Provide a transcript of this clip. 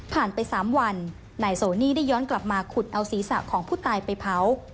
ไป๓วันนายโสนี่ได้ย้อนกลับมาขุดเอาศีรษะของผู้ตายไปเผา